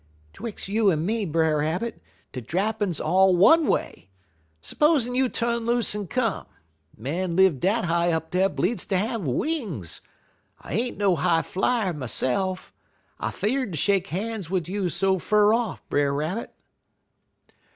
"''Twix' you en me, Brer Rabbit, de drappin' 's all one way. S'posin' you tu'n loose en come. Man live dat high up bleedz ter have wings. I ain't no high flyer myse'f. I fear'd ter shake han's wid you so fur off, Brer Rabbit.'